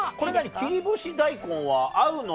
切り干し大根は合うの？